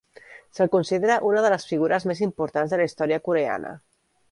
Se'l considera una de les figures més importants de la història coreana.